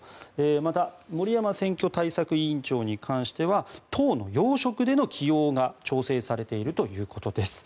また森山選挙対策委員長に関しては党の要職での起用が調整されているということです。